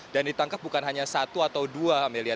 dan ditangkap bukan hanya satu atau dua amelia